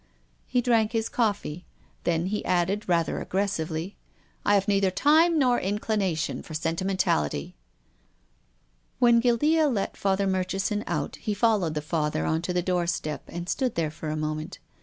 He drank his coffee. Then he added, rather aggressively :" I have neither time nor inclination for sen timentality." When Guildea let Father Murchison out, he followed the Father on to the doorstep and stood there for a moment.